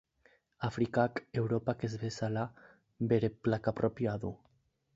Afrikak, Europak ez bezala, bere plaka propioa du.